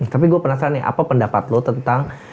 tapi gue penasaran nih apa pendapat lo tentang